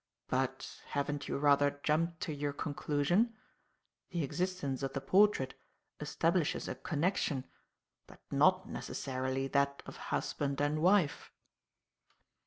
But haven't you rather jumped to your conclusion? The existence of the portrait establishes a connection, but not necessarily that of husband and wife."